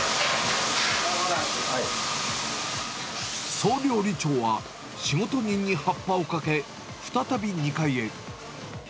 総料理長は仕事人にはっぱをかけ、再び２階へ。